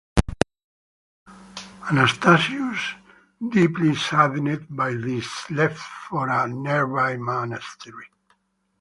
Anastasius, deeply saddened by this, left for a nearby monastery.